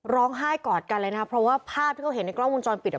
ร้องไห้กอดกันเลยนะครับเพราะว่าภาพที่เขาเห็นในกล้องวงจรปิดอ่ะ